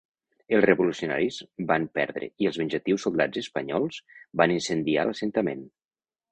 Els revolucionaris van perdre i els venjatius soldats espanyols van incendiar l'assentament.